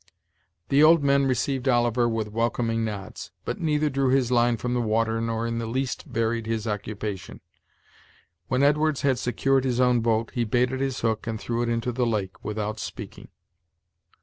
The old men received Oliver with welcoming nods, but neither drew his line from the water nor in the least varied his occupation. When Edwards had secured his own boat, he baited his hook and threw it into the lake, with out speaking.